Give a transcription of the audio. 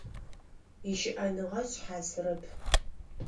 Ищыӏэныгъэ шъхьасыгъэп…